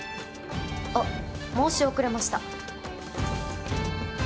あっ申し遅れました。